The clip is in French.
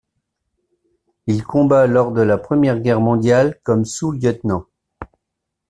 Il combat lors de la Première Guerre mondiale comme sous-lieutenant.